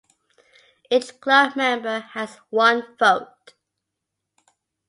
Each club member has one vote.